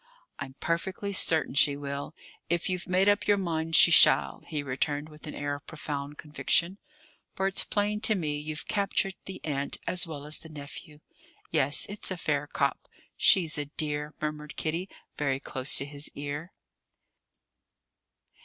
"I'm perfectly certain she will, if you've made up your mind she shall," he returned, with an air of profound conviction; "for it's plain to me you've captured the aunt as well as the nephew. Yes, it's a fair cop." "She's a dear," murmured Kitty, very close to his ear.